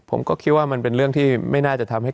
ผมก็คิดว่ามันเป็นเรื่องที่ไม่น่าจะทำให้